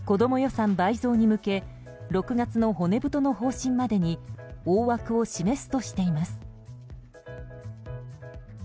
子ども予算倍増に向け６月の骨太の方針までに大枠を示すとしています。